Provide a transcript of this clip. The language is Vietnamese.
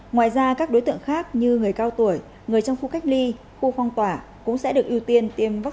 ngoài ra các đối tượng khác như người cao tuổi người trong khu cách ly khu phong tỏa cũng sẽ được ưu tiên tiêm vaccine trong đợt này